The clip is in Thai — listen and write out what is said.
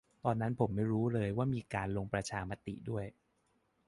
ตอนนั้นผมไม่รู้เลยว่ามีการลงประชามติด้วย